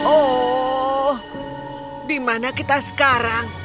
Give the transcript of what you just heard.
oh dimana kita sekarang